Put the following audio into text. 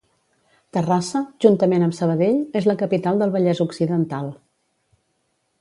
Terrassa, juntament amb Sabadell, és la capital del Vallès Occidental.